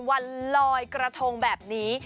วันลอยกระทงแบบนี้